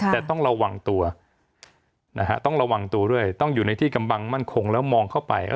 แต่ต้องระวังตัวต้องระวังตัวด้วยต้องอยู่ในที่กำบังมั่นคงแล้วมองเข้าไป